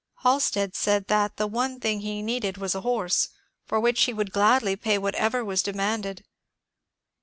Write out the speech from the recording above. Halstead said that the one thing he needed was a horse, for which he would gladly pay whatever was demanded.